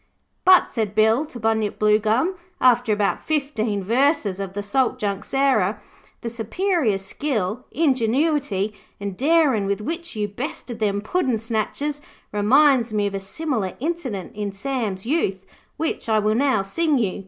'But,' said Bill to Bunyip Bluegum, after about fifteen verses of the Salt Junk Sarah, 'the superior skill, ingenuity and darin' with which you bested them puddin' snatchers reminds me of a similar incident in Sam's youth, which I will now sing you.